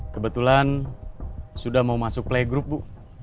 kebetulan sudah mau masuk playgroup bu